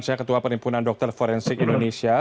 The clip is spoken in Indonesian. saya ketua penimpunan dr forensik indonesia